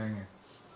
bentuknya terus dia